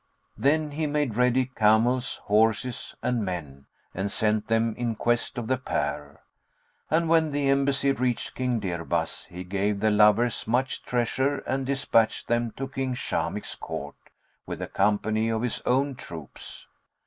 Then he made ready camels, horses and men and sent them in quest of the pair; and when the embassy reached King Dirbas, he gave the lovers much treasure and despatched them to King Shamikh's court with a company of his own troops.